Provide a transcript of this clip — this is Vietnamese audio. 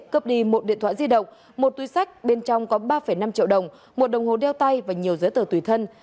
cướp đi một điện thoại di động một túi sách bên trong có ba năm triệu đồng một đồng hồ đeo tay và nhiều giấy tờ tùy thân